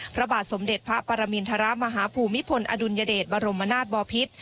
พระบาทสมเด็จพระปรมินทรมาฮภูมิพลอดุลยเดชบรมนาศบอพิษ